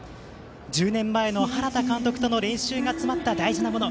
１０年前の原田監督との練習が詰まった大事なもの。